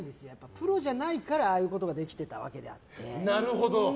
プロじゃないからああいうことができてたわけであって。